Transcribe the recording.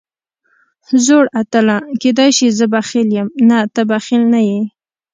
زوړ اتله، کېدای شي زه بخیل یم، نه ته بخیل نه یې.